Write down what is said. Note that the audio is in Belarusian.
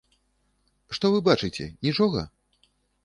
Што вы бачыце, нічога?